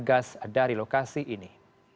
pertamina ep mengambil gas dari lokasi ini